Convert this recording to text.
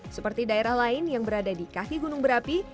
seperti daerah lain yang berada di kaki gunung berapi